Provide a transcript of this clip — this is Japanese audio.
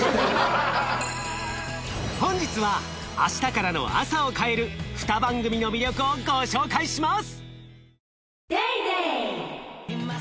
本日は明日からの朝を変える２番組の魅力をご紹介します